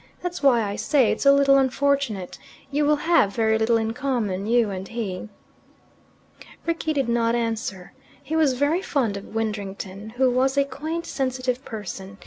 That's why I say it's a little unfortunate. You will have very little in common, you and he." Rickie did not answer. He was very fond of Widdrington, who was a quaint, sensitive person.